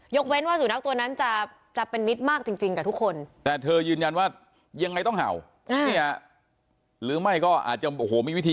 เว้นว่าสุนัขตัวนั้นจะเป็นมิตรมากจริงกับทุกคนแต่เธอยืนยันว่ายังไงต้องเห่าเนี่ยหรือไม่ก็อาจจะโอ้โหมีวิธี